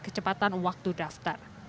ketika berhasil memilih pilihan sekolah